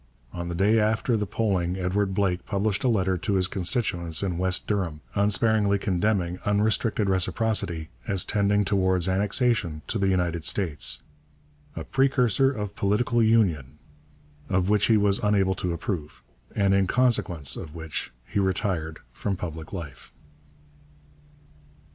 On the day after the polling Edward Blake published a letter to his constituents in West Durham, unsparingly condemning unrestricted reciprocity as tending towards annexation to the United States 'a precursor of political Union' of which he was unable to approve, and in consequence of which he retired from public life.